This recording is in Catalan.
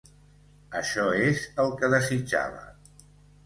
Això és el que desitjava.